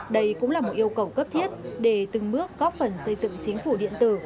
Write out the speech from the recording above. đây cũng là một yêu cầu cấp thiết để từng bước góp phần xây dựng chính phủ điện tử